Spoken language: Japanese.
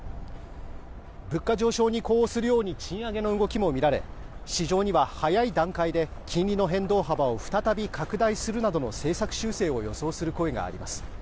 物価上昇に呼応するように賃上げの動きも見られ市場には早い段階で金利の変動幅を再び拡大するなどの政策修正を予想する声があります。